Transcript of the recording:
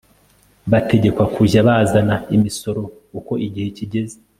bategekwa kujya bazana imisoro uko igihe kigeze